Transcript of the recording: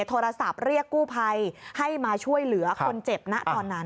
โทรศัพท์เรียกกู้ภัยให้มาช่วยเหลือคนเจ็บนะตอนนั้น